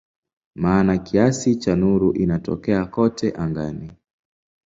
Maana kiasi cha nuru inatokea kote angani.